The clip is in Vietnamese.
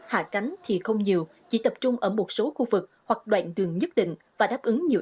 hạ cánh thì không nhiều chỉ tập trung ở một số khu vực hoặc đoạn đường nhất định và đáp ứng nhiều